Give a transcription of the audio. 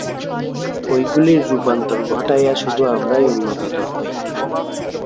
ঐগুলির রূপান্তর ঘটাইয়া শুধু আমরাই উন্নততর হই।